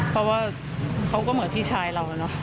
เพราะว่าเขาก็เหมือนพี่ชายเราเนอะ